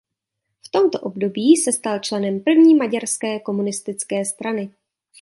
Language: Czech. V tomto období se stal členem první Maďarské komunistické strany.